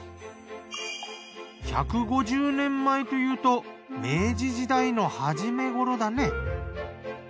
１５０年前というと明治時代の始めごろだね。